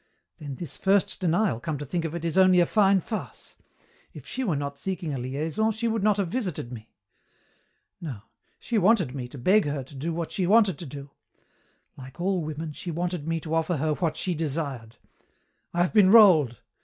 Then, this first denial, come to think of it, is only a fine farce. If she were not seeking a liaison she would not have visited me. No, she wanted me to beg her to do what she wanted to do. Like all women, she wanted me to offer her what she desired. I have been rolled.